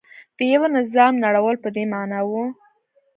د یوه نظام نړول په دې معنا و.